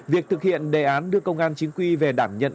việc thực hiện đề án đưa công an chính quy về đảm nhận